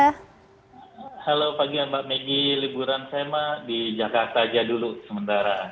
halo pagi mbak megi liburan saya mah di jakarta aja dulu sementara